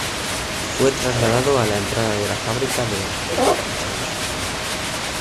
Fue trasladado a la entrada de la fábrica de Hnos.